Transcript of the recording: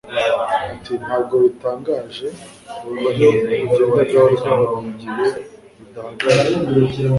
ati ntabwo bitangaje uburyo ugenda gahoro gahoro mugihe udahagarara